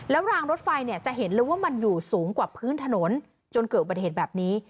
แล้วรางรถไฟเนี่ยจะเห็นเลยว่ามันอยู่สูงกว่าพื้นถนนจนเกิดอุบัติเหตุแบบนี้